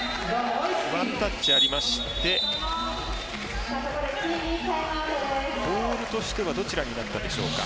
ワンタッチありましてボールとしてはどちらになったでしょうか。